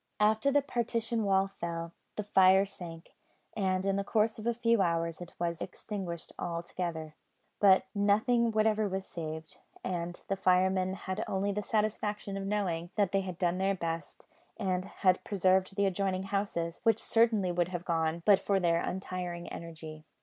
After the partition wall fell, the fire sank, and in the course of a few hours it was extinguished altogether. But nothing whatever was saved, and the firemen had only the satisfaction of knowing that they had done their best, and had preserved the adjoining houses, which would certainly have gone, but for their untiring energy.